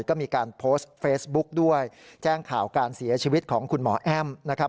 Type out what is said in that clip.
ก็มีการโพสต์เฟซบุ๊กด้วยแจ้งข่าวการเสียชีวิตของคุณหมอแอ้มนะครับ